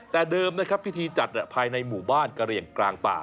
แต่เดิมนะครับพิธีจัดภายในหมู่บ้านกะเหลี่ยงกลางป่า